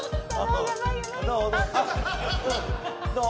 どう？